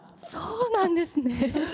そうなんですね。